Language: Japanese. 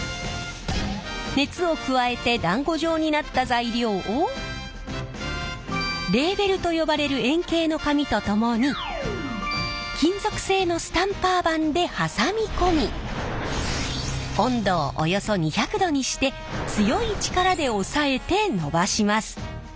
熱を加えてだんご状になった材料をレーベルと呼ばれる円形の紙と共に金属製のスタンパー盤で挟み込み温度をおよそ２００℃にして強い力で押さえて伸ばします。